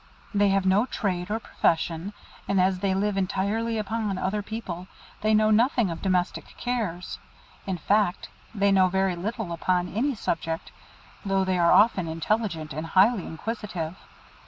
They have no trade or profession, and as they live entirely upon other people, they know nothing of domestic cares; in fact, they know very little upon any subject, though they are often intelligent and highly inquisitive.